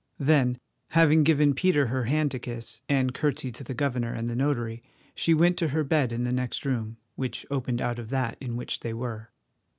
Then having given Peter her hand to kiss, and curtseyed to the governor and the notary, she went to her bed in the next room, which opened out of that in which they were.